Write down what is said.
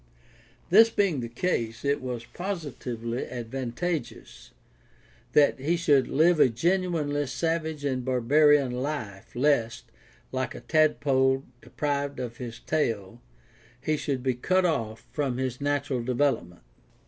This being the case, it was positively advantageous that he should live a genuinely sav age and barbarian life lest, like the tadpole deprived of his tail, he should be cut off from his natural development.